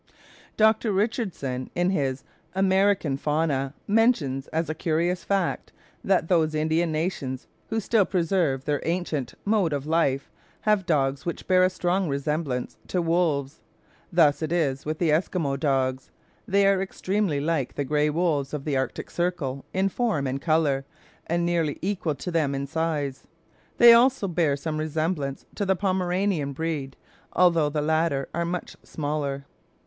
Dr. Richardson, in his "American Fauna," mentions as a curious fact, that those Indian nations who still preserve their ancient mode of life, have dogs which bear a strong resemblance to wolves. Thus it is with the Esquimaux dogs. They are extremely like the grey wolves of the Arctic Circle in form and colour, and nearly equal to them in size. They also bear some resemblance to the Pomeranian breed, although the latter are much smaller.